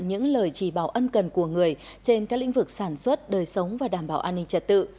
những lời chỉ bảo ân cần của người trên các lĩnh vực sản xuất